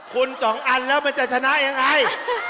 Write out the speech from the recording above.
คุณสองอันแล้วมันจะชนะยังไง